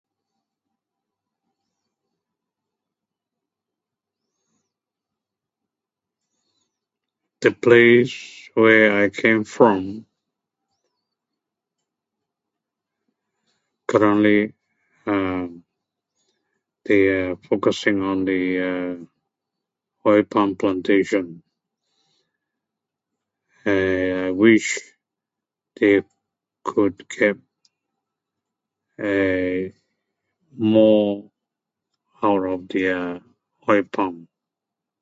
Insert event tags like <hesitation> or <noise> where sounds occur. <silence> the place where I came from currently <hesitation> they are focusing on the <hesitation> oil palm plantation <hesitation> which they could get <hesitation> more out of the <hesitation> oil palm